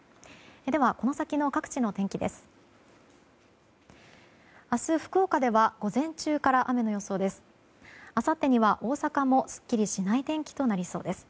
ではこの先の各地の天気です。